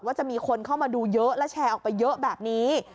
จะมีคนเข้ามาดูเยอะและแชร์ออกไปเยอะแบบนี้